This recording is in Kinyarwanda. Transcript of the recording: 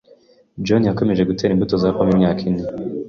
Johnny yakomeje gutera imbuto za pome imyaka ine.